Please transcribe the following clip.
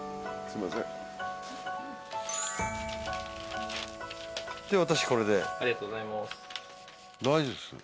すいません何か。